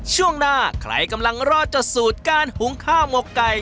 ช่วงหน้าใครกำลังรอดจากสูตรการหุงข้าวหมกไก่